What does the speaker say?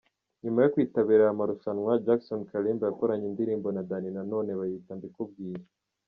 Nyuma yo kwitabira aya marushanwa, Jackson Kalimba yakoranye indirimbo na Danny Nanone bayita ‘Mbikubwire’.